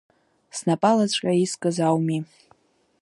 Снапалаҵәҟьа искыз ауми…